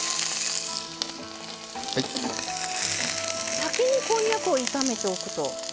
先にこんにゃくを炒めておくと。